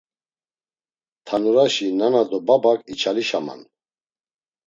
Tanuraşi nana do babak içalişaman.